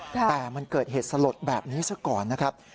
แต่มันเกิดเหตุสลดแบบนี้ซะก่อนนะครับ